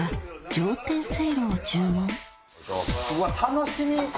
楽しみ！